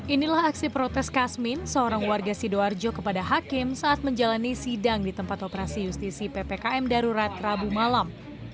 inilah aksi protes kasmin seorang warga sidoarjo kepada hakim saat menjalani sidang di tempat operasi justisi ppkm darurat rabu malam